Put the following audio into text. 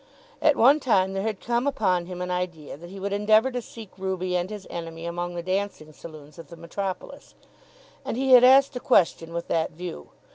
At one time there had come upon him an idea that he would endeavour to seek Ruby and his enemy among the dancing saloons of the metropolis; and he had asked a question with that view.